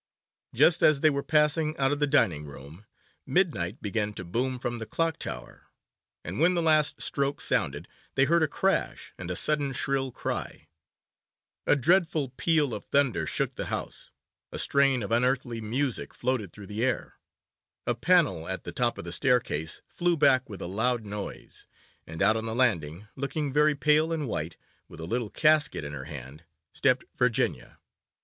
Just as they were passing out of the dining room, midnight began to boom from the clock tower, and when the last stroke sounded they heard a crash and a sudden shrill cry; a dreadful peal of thunder shook the house, a strain of unearthly music floated through the air, a panel at the top of the staircase flew back with a loud noise, and out on the landing, looking very pale and white, with a little casket in her hand, stepped Virginia.